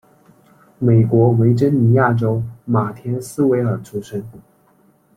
美国维珍尼亚州马田斯维尔出生。